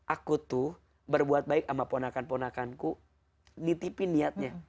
aku tuh berbuat baik sama ponakan ponakanku nitipin niatnya